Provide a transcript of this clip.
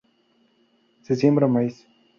Se siembra maíz.